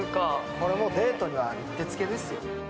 これもうデートにはうってつけですよ。